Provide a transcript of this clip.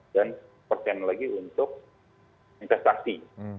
dan persen lagi untuk investasi